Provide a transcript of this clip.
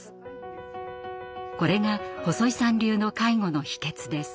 これが細井さん流の介護の秘けつです。